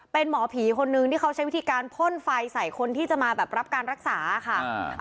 เป็นหมอผีคนนึงที่เขาใช้วิธีการพ่นไฟใส่คนที่จะมาแบบรับการรักษาค่ะ